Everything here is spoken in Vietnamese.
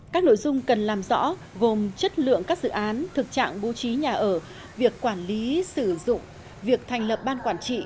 các nội dung cần làm rõ gồm chất lượng các dự án thực trạng bố trí nhà ở việc quản lý sử dụng việc thành lập ban quản trị